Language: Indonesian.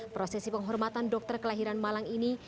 prosesi penghormatan dokter kelahiran malang ini